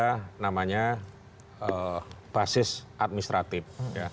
ada namanya basis administratif